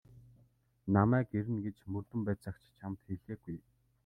Намайг ирнэ гэж мөрдөн байцаагч чамд хэлээгүй.